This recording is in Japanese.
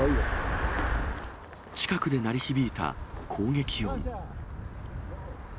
近くで鳴り響いた攻撃音。